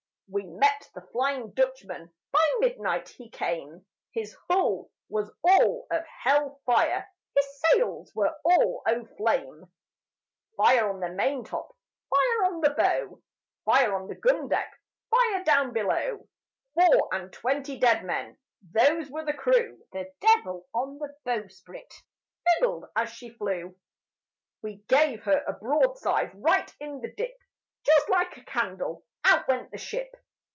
We met the Flying Dutchman, By midnight he came, His hull was all of hell fire, His sails were all o' flame; Fire on the main top, Fire on the bow, Fire on the gun deck, Fire down below! Four and twenty dead men, Those were the crew, The devil on the bowsprit Fiddled as she flew. We gave her a broadside Right in the dip, Just like a candle, Out went the ship.